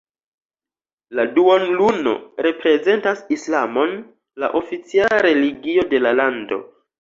La duonluno reprezentas Islamon, la oficiala religio de la lando.